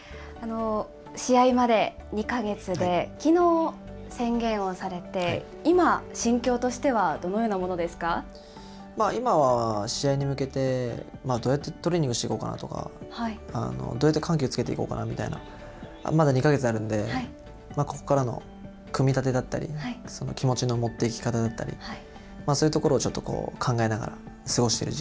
試合まで２か月で、きのう、宣言をされて、今、心境としては今は試合に向けて、どうやってトレーニングしていこうかなとか、どうやって緩急つけていこうかなみたいな、まだ２か月あるんで、ここからの組み立てだったり、気持ちの持っていき方だったり、そういうところをちょっとこう考試合